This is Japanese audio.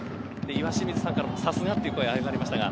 岩清水さんから、さすがという声こぼれましたが。